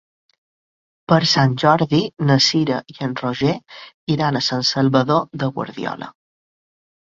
Per Sant Jordi na Cira i en Roger iran a Sant Salvador de Guardiola.